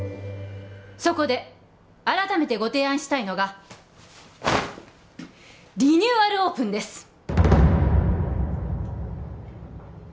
そこで改めてご提案したいのがリニューアルオープンです！